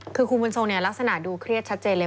คือคุณบุญทรงเนี่ยลักษณะดูเครียดชัดเจนเลย